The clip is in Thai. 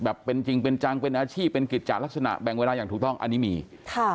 เป็นจริงเป็นจังเป็นอาชีพเป็นกิจจัดลักษณะแบ่งเวลาอย่างถูกต้องอันนี้มีค่ะ